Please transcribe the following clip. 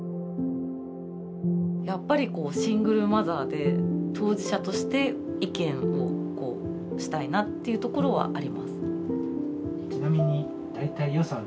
やっぱりシングルマザーで当事者として意見をしたいなというところはあります。